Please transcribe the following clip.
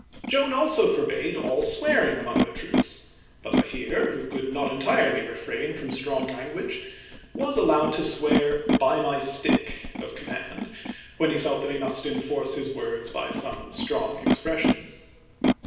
Joan also forbade all swearing among the troops, but La Hire, who could not entirely refrain from strong language, was allowed to swear "by my stick" (of com mand) when he felt that he must enforce his words by some strong expression.